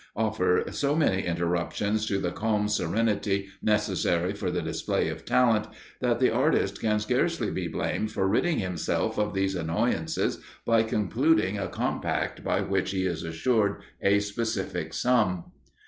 offer so many interruptions to the calm serenity necessary for the display of talent, that the artist can scarcely be blamed for ridding himself of these annoyances by concluding a compact by which he is assured a specific sum.